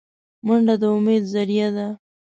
منډه د امید ذریعه ده